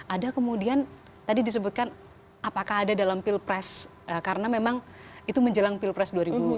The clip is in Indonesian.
ada kemudian tadi disebutkan apakah ada dalam pilpres karena memang itu menjelang pilpres dua ribu sembilan belas